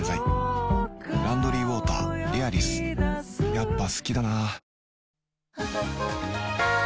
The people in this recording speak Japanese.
やっぱ好きだな